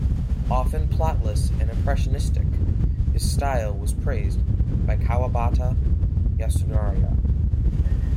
Often plotless and impressionistic, his style was praised by Kawabata Yasunari.